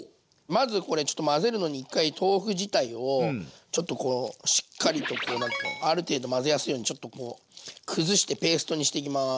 まずこれちょっと混ぜるのに一回豆腐自体をちょっとこうしっかりとこう何て言うのある程度混ぜやすいようにちょっとこうくずしてペーストにしていきます。